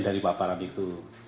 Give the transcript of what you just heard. dari paparan itu